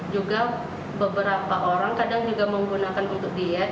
juga beberapa orang kadang juga menggunakan untuk diet